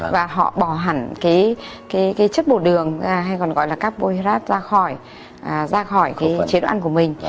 và họ bỏ hẳn chất bột đường hay còn gọi là carbon hydrate ra khỏi chế độ ăn của mình